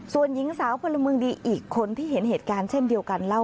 ส่วนหญิงสาวพลเมืองดีอีกคนที่เห็นเหตุการณ์เช่นเดียวกันเล่า